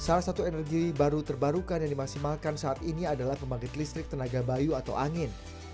salah satu energi baru terbarukan yang dimaksimalkan saat ini adalah pembangkit listrik tenaga bayu atau angin